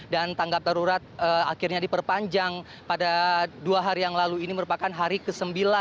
dan tanggap darurat akhirnya diperpanjang pada dua hari yang lalu ini merupakan hari ke sembilan